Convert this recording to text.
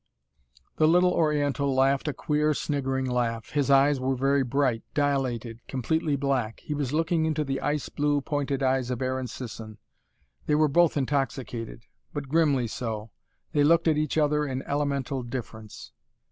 The little oriental laughed a queer, sniggering laugh. His eyes were very bright, dilated, completely black. He was looking into the ice blue, pointed eyes of Aaron Sisson. They were both intoxicated but grimly so. They looked at each other in elemental difference.